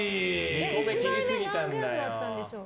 １枚目何グラムだったんでしょう。